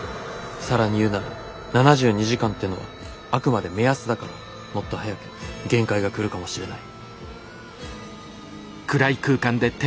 更に言うなら７２時間ってのはあくまで目安だからもっと早く限界が来るかもしれない。